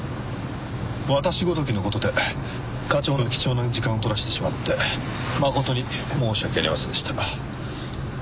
私ごときの事で課長の貴重な時間を取らせてしまって誠に申し訳ありませんでした。